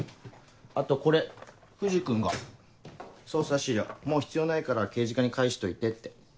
あとこれ藤君が捜査資料もう必要ないから刑事課に返しといてって。